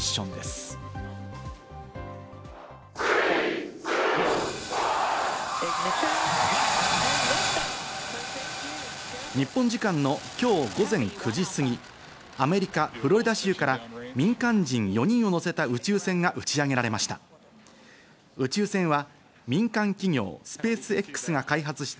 ３、２、１。日本時間の今日午前９時すぎ、アメリカ・フロリダ州から民間人４人を乗せた宇宙船が打ち上げられました。